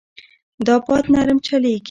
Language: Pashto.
دا باد نرم چلېږي.